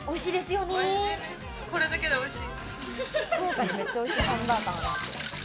これだけでおいしい。